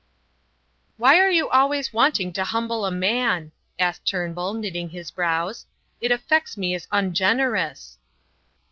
"Why are you always wanting to humble a man?" asked Turnbull, knitting his brows. "It affects me as ungenerous."